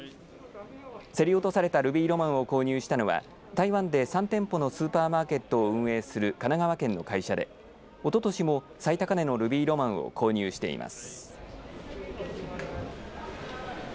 競り落とされたルビーロマンを購入したのは台湾で３店舗のスーパーマーケットを運営する神奈川県の会社でおととしも最高値のルビーロマンを購入しています。